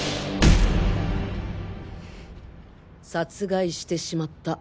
殺害してしまった。